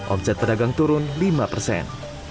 omset pedagang turun lima persen